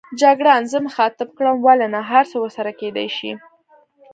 جګړن زه مخاطب کړم: ولې نه، هرڅه ورسره کېدای شي.